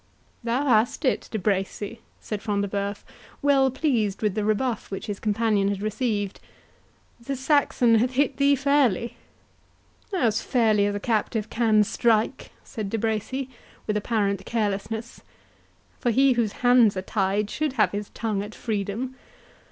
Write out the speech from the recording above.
"Thou hast it, De Bracy," said Front de Bœuf, well pleased with the rebuff which his companion had received; "the Saxon hath hit thee fairly." "As fairly as a captive can strike," said De Bracy, with apparent carelessness; "for he whose hands are tied should have his tongue at freedom.